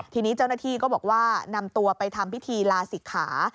ทีนี้เจ้าหน้าที่ก็บอกว่านำตัวไปทำพิธีลาศิกขา